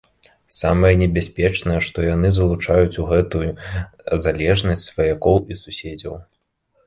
Самае небяспечнае, што яны залучаюць у гэтую залежнасць сваякоў і суседзяў.